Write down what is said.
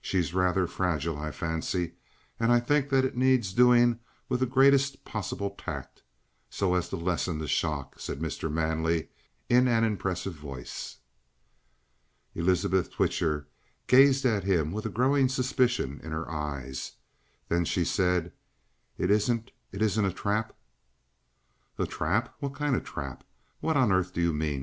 She's rather fragile, I fancy. And I think that it needs doing with the greatest possible tact so as to lessen the shock," said Mr. Manley in an impressive voice. Elizabeth Twitcher gazed at him with a growing suspicion in her eyes. Then she said: "It isn't it isn't a trap?" "A trap? What kind of a trap? What on earth do you mean?"